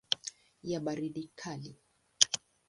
ya baridi kali.